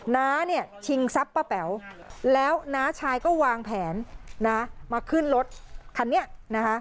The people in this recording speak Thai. น้าเนี่ยชิงทรัพย์ป้าแป๋วแล้วน้าชายก็วางแผนนะมาขึ้นรถคันนี้นะคะ